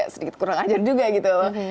sedikit kurang ajar juga gitu loh